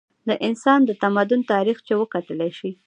د انسان د تمدن تاریخ چې وکتلے شي